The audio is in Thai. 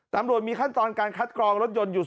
ตำรวจมีขั้นตอนการคัดกรองรถยนต์๓ขั้นตอน